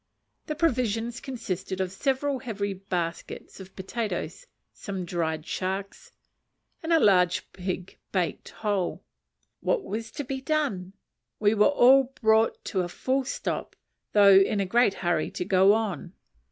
The provisions consisted of several heavy baskets of potatoes, some dried sharks, and a large pig baked whole. What was to be done? We were all brought to a full stop, though in a great hurry to go on.